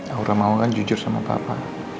aura mau kan jujur sama papa